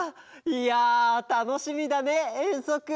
いやたのしみだねえんそく！